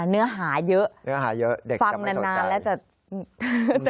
เนื้อหาเยอะเด็กกลับมาสนใจเนื้อหาเยอะ